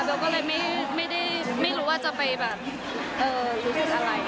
เราก็เลยไม่รู้ว่าจะไปแบบรู้สึกอะไร